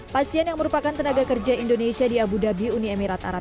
pasien yang merupakan tenaga kerja indonesia di abu dhabi uni emirat arab